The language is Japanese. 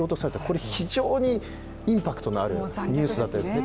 これ非常にインパクトのあるニュースだったんですね。